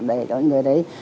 để cho người đấy